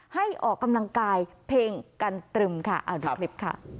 ให้ออกกำลังกายเพลงกันตรึมเอาที่คลิป